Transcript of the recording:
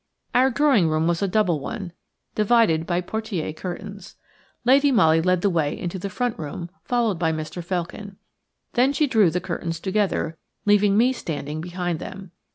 Our drawing room was a double one, divided by portière curtains. Lady Molly led the way into the front room, followed by Mr. Felkin. Then she drew the curtains together, leaving me standing behind them.